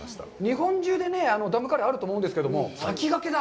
日本中でダムカレーはあると思うんですけど、先駆けだ。